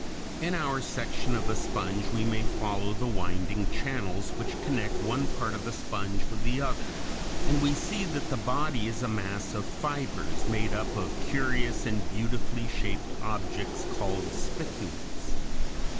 ] In our section of a sponge we may follow the winding channels which connect one part of the sponge with the other, and we see that the body is a mass of fibers made up of curious and beautifully shaped objects called spicules (Fig.